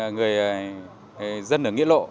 người dân ở nghĩa lộ